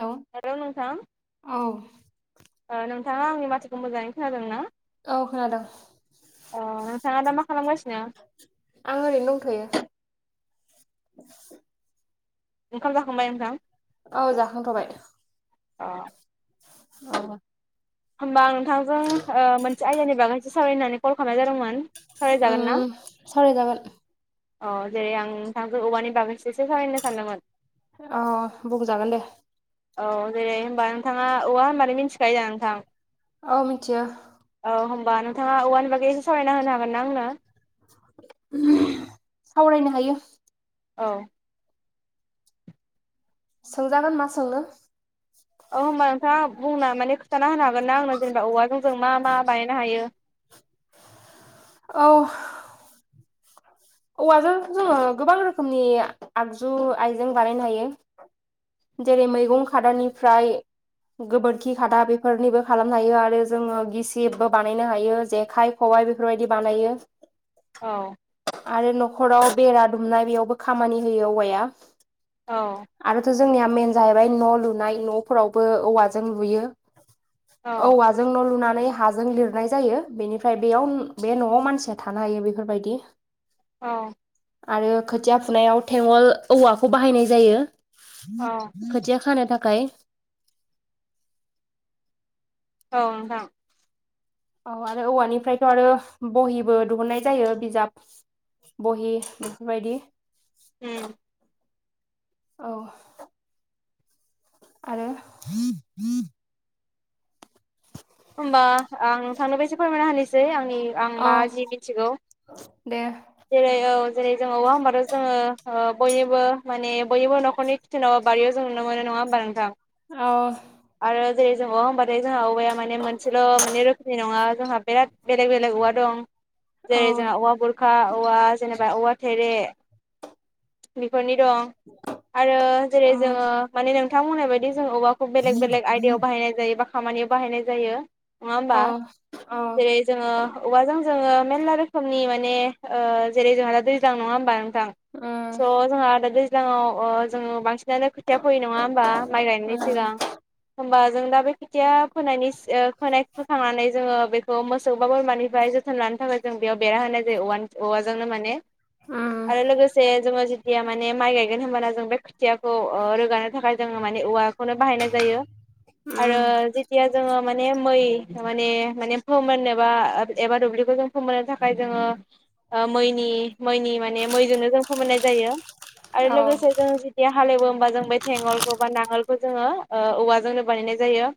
Hello औ। ओ नोंथाङा आंनि माथोखौ मोजाङै खोनादोंना? औ खोनादों। नोंथाङा दा मा खालामगासिनो? आं ओरैनो दंथ'यो। ओंखाम जाखांबाय नोंथां? औ जाखांथ'बाय। अ। औ। होमबा आं नोंथांजों ओ मोनसे आयदानि बागैसो सावरायनो होननानै कल खालामनाय जादोंमोन। सावरायजागोन ना? उम सावराय जागोन। अ जेरै आं नोंथांजों औवानि बागै सो सावरायनो सानदोंमोन। औ बुंजागोन दे औ जेरै होमबा नोंथाङा औवा होनबानो मिथिखायो दा नोंथां? औ मिथियो। औ होमबा नोंथाङा औवानि बागै एसे सावरायना होनो हागोन ना आंनो? सावरायनो हायो। औ। सोंजागोन मा सोंनो। औ होमबा नोंथाङा बुंना माने खिथाना होनो हागोन ना आंनो जेनेबा औवाजों जों मा मा बानायनो हायो? औ। औवाजों जोङो गोबां रोखोमनि आगजु आइजें बानायनो हायो। जेरै मैगं खादानिफ्राय गोबोरखि खादा बेफोरनिबो खालामनो हायो आरो जोङो गिसिबबो बानायनो हायो जेखाइ, खबा इ बेफोरबायदि बानायो। औ। आरो न'खराव बेरा दुमनाय बेयावबो खामानि होयो औवाया। औ। आरोथ' जोंनिया मेन जाहैबाय न' लुनाय न'फोरावबो औवाजों लुयो। औ औवाजों न' लुनानै हा जों लिरनाय जायो बेनिफ्राय बेयाव बे न'आव मानसिया थानो हायो बेफोरबायदि। औ। आरो खोथिया फुनायाव थेवोल औवाखौ बाहायनाय जायो। औ खोथिया खानो थाखाय। औ नोंथां। औ आरो औवानिफ्रायथ' आरो बहिबो दिहुननाय जायो बिजाब बहि बेफोरबायदि। उम औ। आरो होमबा आं थांनो बसो फोरमायना होनोसै आंनि आं औ मा जि मिथिगौ। दे जेरै औ जेरै जों औवा हबाथो जोङो ओ बयनिबो माने बयनिबो न'खरनि किटनाव। बारियाव जों नुनो मोनो नङा होमबा नोंथां। औ। आरो जेरै जों औवा होनबाथाय जोंहा औवाया माने मोनसेल' माने रोखोमनि नङा। जोंहा बेराद बेलेग बेलेग औवा दं औ जेरै जोंहा औवा बुर खा औवा जेनेबा औवा थेरे बि फोरनि दं आरो जेरै जोङो माने नोंथां बुंनाय बायदि जों औवाखौ बेलेग बेलेग आयदायाव बाहायनाय जायो बा खामानियाव बाहायनाय जायो। नङा औ होमबा औ जेरै जोङो औवाजों जोङो मेरला रोखोमनि माने ओ जेरै जोंहा दा दैज्लां नङा होमबा नोंथां उम उम स' जोंहा दा दैज्लाङाव अ जोङो बांसिनानो खोथिया फैयो नङा होमबा माइ गायनायनि उम सिगां होमबा जों दा बे खेथिया फोनायनि सि फोनाय फोखांनानै जोङो बेखौ मोसौ बा बोरमानिफ्राय जोथोन लानानै बेनि थाखाय जों बेयाव बेरा होनाय जायो औवानि औवाजोंनो माने आरो लोगोसे जोङो जिहेत खुथिया माने माइ गायगोन होनबाना जों बे खुथियाखौ ओ रोगानो थाखाय जोङो माने औवाखौनो बाहायनाय जायो आरो उम जिथिया जोङो माने मै थारमाने माने फोमोननोबा एबा दुब्लिखौ जों फोमोननो थाखाय जोङो ओ मैनि मैनि माने मैजोंनो जों फोमोननाय जायो। आरो औ लोगोसे जों जुदिया हालेवो होमबा जों बे थेंगलखौ बा नांगोलखौ जोङो ओ औवाजोंनो बानायनाय जायो।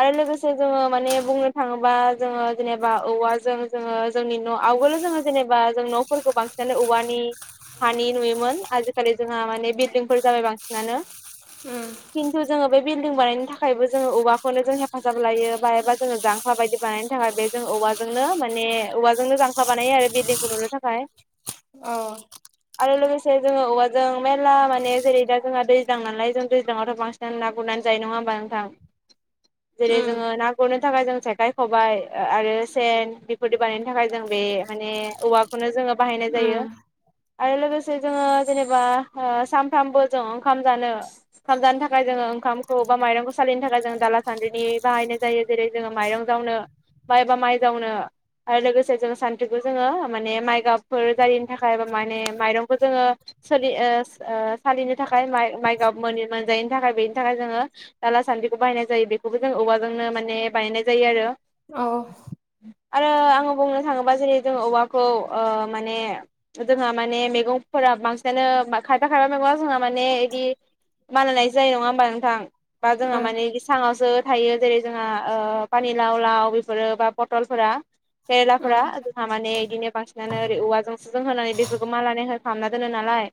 आरो लोगोसे जोङो माने बुंनो थाङोबा जोङो जेनेबा औवाजों जोङो जोंनि न' आवगोल' जोङो जेनेबा जों न'फोरखौ बांसिनानो औवानि हानि नुयोमोन आजिखालि जोंहा माने बिल्डिंफोर जाबाय बांसिनानो। उम खिन्थु जोङो। बे बिल्डिं बानायनो थाखायबो जोङो औवाखौनो जों हेफाजाब लायो बाहबा जोङो जांख्ला बायदि बानायनो थाखाय बे जों। औवाजोंनो माने औवाजोंनो जांफा बानायो आरो बिल्डिंखौ नुनो थाखाय। अ आरो लोगोसे जोङो औवाजों मेरला माने जेरै दा जोंहा दैज्लां नालाय जों दैज्लाङावथ' बांसिन ना गुर नानै जायो नङा होमबा नोंथां। जेरै जोङो ना गुरनो थाखाय जों जेखाइ खबाय आरो सेन बेफोरदि बानायनो। नि थाखाय जों बे माने औवाखौनो जोङो बाहायनाय जायो। आरो लोगोसे जोङो जेनेबा ओ सामफ्रामबो जों ओंखाम जानो ओंखाम जानो थाखाय। जोङो ओंखामखौ बा माइरंखौ सालिनो थाखाय जों दाला सान्द्रिनि बाहायनाय जायो जेरै जोङो माइरं जावनो बायबा माइ जावनो आरो लोगोसे जों सानथ्रिखौ जोङो माने माइ गाबफोर जारिनि थाखाय बा माने माइरंखौ जोङो सालि ओ ओ सालिनो थाखाय माइ माइगाब मोनि-मोनजायैनि थाखाय बेनि थाखाय जोङो दाला सानदि बेखौ बायनाय जायो बेखौबो जों औवाजोंनो माने बानायनाय जायो आरो औ आरो आं खौ बुंनो थाङोबा जेरै जोंङो औवाखौ ओ माने जोंहा माने मेगंफोरा बांसिनानो ओ मा खायफा खायफा माबा बुंबा माने इदि मानलानाय जायो नङा होमबा नोंथां। बा जोंहा माने बिसाङावसो थायो जेरै जोंहा ओ पानि लाव लाव बेफोरो बा फथलफोरा केेरेलाफोरा जोंहा माने इदिनो बांसिनानो ओरै औवाजोंसो जों होनानै बेफोरखौ मालानाय हो खालामना दोनो नालाय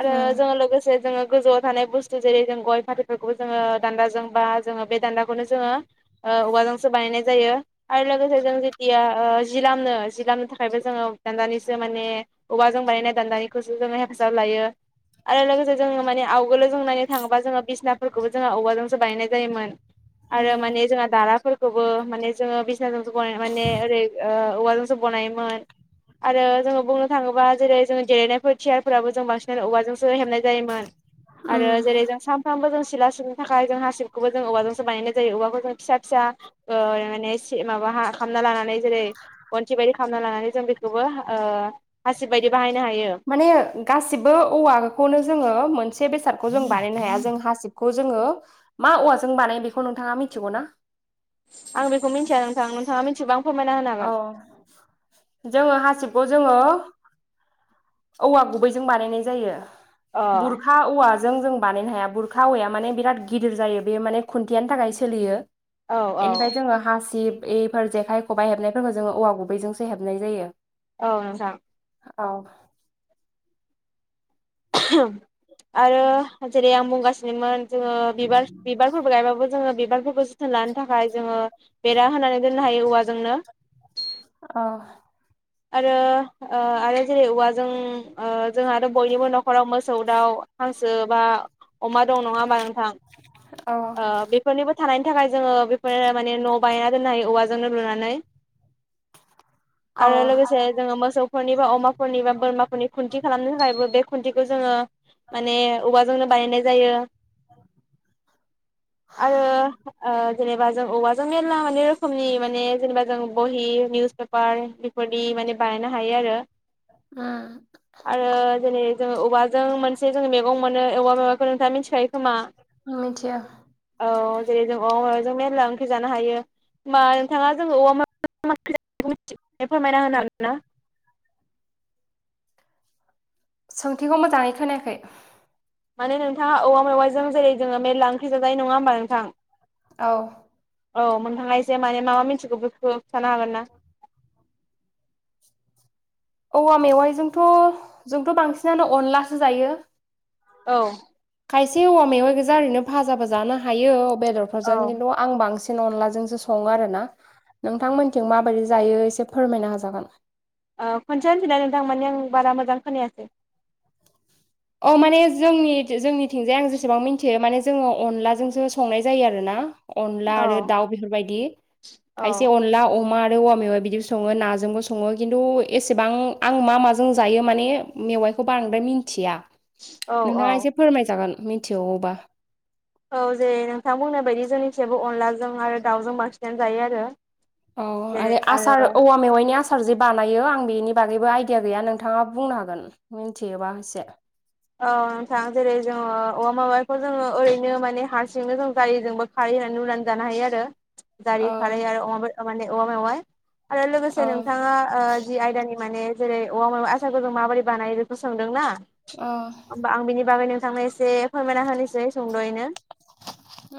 आरो जोङो लोगोसे जोङो गोजौआव थानाय बुस्थु जेरै जों गय फाथैफोरखौबो जोङो दान्दाजों बा जोङो बे दान्दाखौनो जोङो ओ औवाजोंसो बानायनाय जायो आरो लोगोसे जों जे जिया ओ जि लामनो जि लामनो थाखायबो जोङो दान्दानिसो माने औवाजों बानायनाय दान्दानिखौसो जोङो हेफाजाब लायो। आरो लोगोसे जोङो माने आवगोलो जों नायनो थाङोबा जोङो बिसनाफोरखौबो जोङो औवाजोंसो बानायनाय जायोमोन। आरो माने जोंहा दाराफोरखौबो माने जोङो बिसनाजोंसो बनाय माने ओरै ओ औवाजोंसो बनायोमोन । आरो जोङो बुंनो थाङोबा जेरै जोङो देलेनायफोर थियारफोराबो जों बांसिनानो औवाजोंसो हेबनाय जायोमोन। आरो जेरै जों सानफ्रामबो जों सिला सिबनो थाखाय जों हासिबखौबो जों औवाजोंसो बानायनाय जायो औवाखौ जों फिसा फिसा ओ माने एसे माबा हा खामना लानानै जेरै गनसि बायदि खामना लानानै जों बेखौबो हा ओ हासिब बायदि बाहायनो हायो। माने गासिबो औवाखौनो जोङो मोनसे बेसादखौ जों बानायनो हाया जों हासिबखौ जोङो मा औवाजों बानायो बेखौ नोंथाङा मिथिगौ ना? आं बेखौ मिथिया नोंथां, नोंथाङा मिथिबा फोरमायना होनो औ हागोन जोङो हासिबखौ जोङो औवा गुबैजों बानायनाय जायो, अ बुरखा औवाजो जों जों बानायनो हाया बुरखा औवाया माने बिराद गिदिर जायो बेयो माने खुन्थियानि थाखाय सोलियो । औ औ एनिफाय जोङो हासिब, बेफोर जेखाइ खबाइ हेबनायफोरखौ जोङो औवा गुबैजोंसो हेबनाय जायो। औ नोंथां । औ । आरो जेरै आं बुंगासिनोमोन जोङो बिबार बिबारफोरबो गायबाबो जोङो बिबारफोरखौ जोथोन लानो थाखाय जोङो बेरा होनानै दोननो हायो औवाजोंनो । ओ । आरो ओ आरो जेरै औवाजों ओ जोंहाथ' बयनिबो न'खराव मोसौ दाउ हांसो बा अमा दं नङा होम्बा नोंथां औ ओ बेफोरनिबो थानायनि थाखाय जोङो बेफोरो माने न' बानायना दोननाय औवाजोंनो लुनानै [inaudible] आरो औ लोगोसे जोङो मोसौफोरनि बा अमाफोरनि बा बोरमाफोरनि खुन्थि खालामनो थाखायबो बे खु खुन्थिखौ जोङो माने औवाजोंनो बानायनाय जायो। आरो ओ जेनेबा जों औवाजों मेरला माने रोखोमनि माने जेनेबा जों बहि, निउस पेपार बे बेफोरदि माने बानायनो हायो आरो उम आरो जेरै जोङो औवाजों मोनसे जों मेगं मोनो औवा मेवाइखौ नोंथाङा मिनथिखायो खोमा? मिथिया । औ जेरै जों औवा मेवाइजों मेरला ओंख्रि जानो हायो। होमबा नोंथाङा जोङो औवा मेवा [unintelligible] फोरमायना होनो हागोन ना? सोंथिखौ मोजाङै खोनायाखै। माने नोंथाङा औवा मेवाइजों जेरै जोङो मेरला ओंख्रि जाजायो नङा होमबा नोंथां? औ। औ मोनथांआ ऐसो माने मा मा मिथिगौ बेखौ खिन्थानो हागोन ना? [inaudible] औवा मेवाइजोंथ' जोंथ' बांसिनानो अनलासो जायो। औ। खायसे औवा मेवाइ गोजा ओरैनो फाजााबो जानो हायो औ बेदरफोरजों खिन्थु आं बांसिन बांसिन अनलाजोंसो सङो आरो ना, नोंथांमोनथिं माबायदि जायो एसे फोरमायनो हाजागोन। ओ खनसेथिनानै नोंथां माने आं बारा मोजां खोनायाखै । अ माने जोंनि जोंनिथिंजाय आं जेसेबां मिथियो माने जोङो अनलाजोंसो संनाय जायो आरोना । अनला औ आरो दाउ बेफोरबायदि औ खायसे अनला अमा आरो औवा मेवाइ बिदिबो संओ खिन्थु एसेबां आं मा मा जों जायो माने मेवाइ खो बद्राय मिथिया औ औ नोंथाङा एसे फोरमाय जागोन मिथिबा? औ जे नोंथां बुंनाय बायदि जोंनिफ्रायबो अनलाजों आरो दाउजों बांसिननानै जायो आरो। औ जेरै आरो आसार औ औवा मेवाइनि आसार जे बानायो आं बेनि बागैबो आइदि दिमा गैया नोंथाङा बुंनो हागोन मिथियोबा एसे। औ नोंथां जेरै जोङो औमा माबाखौ जोङो ओरैनो माने हारसिंनो जों जारिजोंबो खारै रुनानै जानो हायो आरो। जारि ओ खारै आरो अमा माने औवा मेवाय आरो लोगोसे ओ नोंथाङा जि आयदानि माने जेरै औवा मेवाइ आसारखौ जों माबायदि बानाय बेखौ सोंदों ना। ओ होमबा आं बिनि बागै नोंथांनो एसे फोरमायना होनोसै सुंद'यैनो।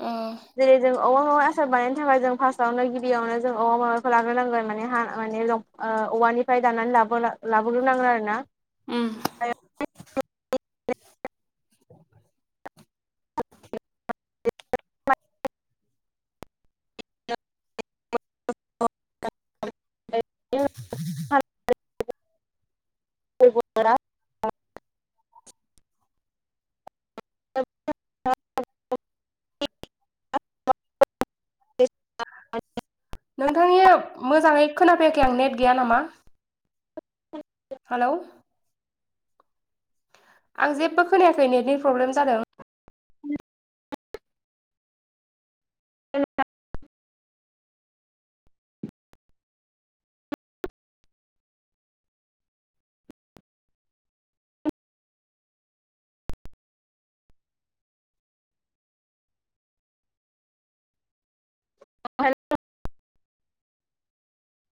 अ जेरै जों औवा मेवाइ आसार बानायनो थाखाय जों फार्स्टआवनो गिबियावनो जों औवा माबाखौ लाग्रोनांगोन माने हा माने औवानि मफ्राय दानानै ला लाबोग्र नांगोन आरोना। उम [inaudible] गोरा [inaudible] नोंथांनिया मोजाङै खोनाफैाखै आं नेट गैया नामा? हेलौ आं जेबबो खोनायाखै नेटनि प्रब्लेम जादों। ऐ [inaudible]